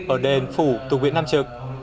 ở đền phủ tục huyện nam trực